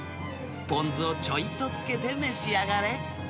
ぽん酢をちょいとつけて召し上がれ。